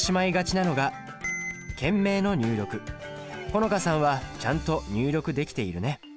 好花さんはちゃんと入力できているね。